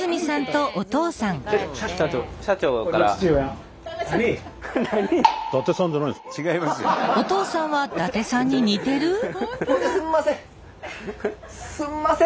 何かすんません！